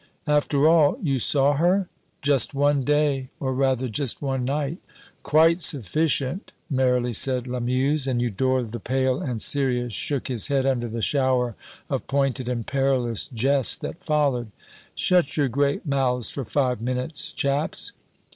"After all, you saw her?" "Just one day or rather, just one night." "Quite sufficient!" merrily said Lamuse, and Eudore the pale and serious shook his head under the shower of pointed and perilous jests that followed. "Shut your great mouths for five minutes, chaps."